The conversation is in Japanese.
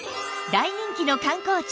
大人気の観光地